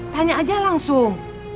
tanya aja langsung